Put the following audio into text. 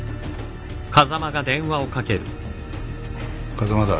風間だ。